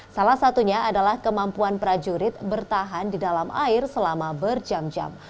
salah satunya adalah kemampuan prajurit bertahan di dalam air selama berjam jam